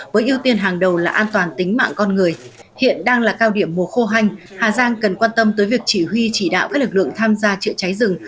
với ưu tiên hàng đầu là an toàn tính mạng con người hiện đang là cao điểm mùa khô hanh hà giang cần quan tâm tới việc chỉ huy chỉ đạo các lực lượng tham gia chữa cháy rừng